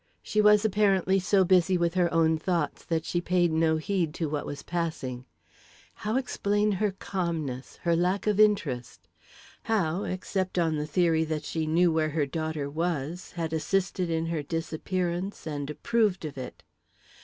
She was, apparently, so busy with her own thoughts that she paid no heed to what was passing. How explain her calmness, her lack of interest? How, except on the theory that she knew where her daughter was, had assisted in her disappearance and approved of it?